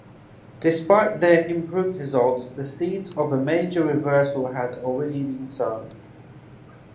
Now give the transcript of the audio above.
Despite their improved results, the seeds of a major reversal had already been sown.